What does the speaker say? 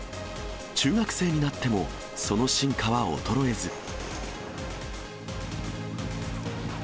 中学生になっても、その進化は衰えず。